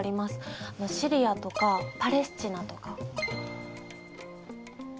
シリアとかパレスチナとか。